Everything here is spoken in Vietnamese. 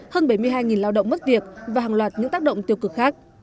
hơn bảy mươi hai lao động mất việc và hàng loạt những tác động tiêu cực khác